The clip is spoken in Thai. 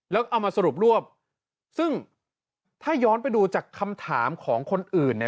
แล้วเอามาสรุปรวบซึ่งถ้าย้อนไปดูจากคำถามของคนอื่นเนี่ย